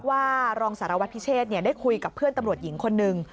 รองสารวัตรพิเชษได้คุยกับเพื่อนตำรวจหญิงคนหนึ่ง